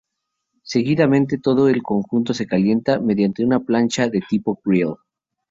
Seguidamente todo el conjunto se calienta mediante una plancha de tipo grill.